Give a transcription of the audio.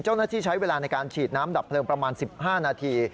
เจ้าหน้าที่ใช้เวลาในการฉีดน้ำดับเพลิงประมาณ๑๕นาที